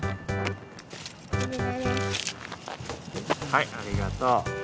はいありがとう。